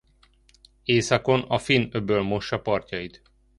Északon a Finn-öböl mossa partjait.